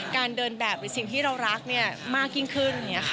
การเดินแบบหรือสิ่งที่เรารักมากยิ่งขึ้นอย่างนี้ค่ะ